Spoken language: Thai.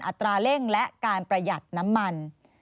ตราเร่งและการประหยัดน้ำมัน